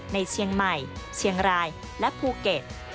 ในเชียงใหม่เชียงรายและภูเก็ต